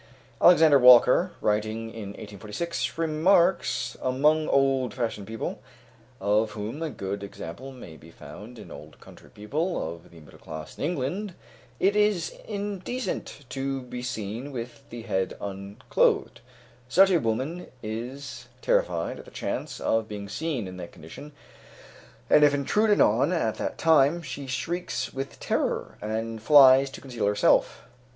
Alexander Walker, writing in 1846, remarks: "Among old fashioned people, of whom a good example may be found in old country people of the middle class in England, it is indecent to be seen with the head unclothed; such a woman is terrified at the chance of being seen In that condition, and if intruded on at that time, she shrieks with terror, and flies to conceal herself."